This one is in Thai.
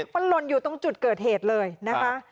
มันหล่นอยู่ตรงจุดเกิดเหตุเลยนะคะ